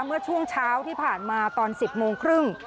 เมื่อช่วงเช้าที่ผ่านมาตอน๑๐โมงครึ่ง